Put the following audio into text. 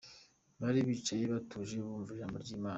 Bari bicaye batuje bumva ijambo ry'Imana.